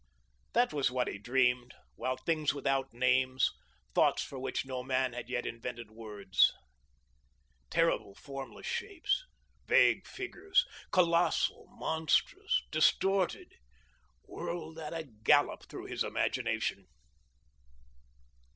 That was what he dreamed, while things without names thoughts for which no man had yet invented words, terrible formless shapes, vague figures, colossal, monstrous, distorted whirled at a gallop through his imagination.